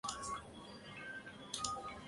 七省级轻巡洋舰。